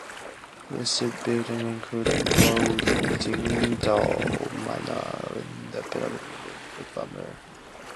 Listed buildings include Low Dinsdale Manor and Dinsdale Park a former Spa hotel.